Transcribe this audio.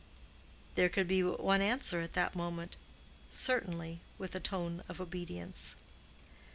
There could be but one answer at that moment: "Certainly," with a tone of obedience.